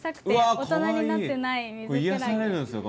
癒やされるんですよ。